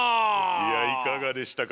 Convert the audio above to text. いやいかがでしたか？